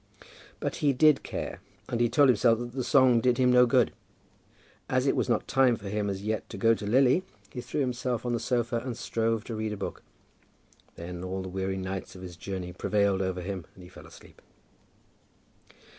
But he did care, and he told himself that the song did him no good. As it was not time for him as yet to go to Lily, he threw himself on the sofa, and strove to read a book. Then all the weary nights of his journey prevailed over him, and he fell asleep.